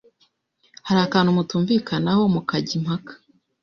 hari akantu mutumvikanaho mukajya impaka,